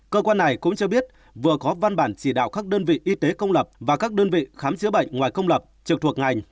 cơ quan này cũng cho biết vừa có văn bản chỉ đạo các đơn vị y tế công lập và các đơn vị khám chữa bệnh ngoài công lập trực thuộc ngành